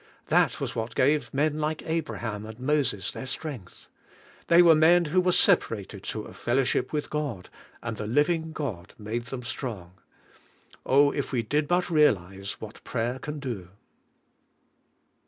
That was what gave men like Abraham and Moses their strength. They were men who were sepa rated to a fellowship with God, and thr living God 162 THE SO URGE OF PO WER IN PR A YER made them strong. Oh, if we did but realize what prayer can do!